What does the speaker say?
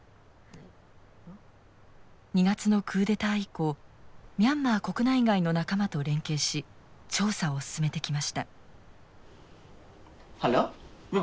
２月のクーデター以降ミャンマー国内外の仲間と連携し調査を進めてきました。